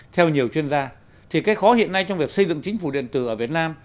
theo nhiều chuyên gia thì cái khó hiện nay trong việc xây dựng chính phủ điện tử ở việt nam